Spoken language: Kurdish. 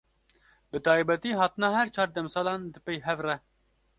Bi taybetî hatina her çar demsalan di pey hev re.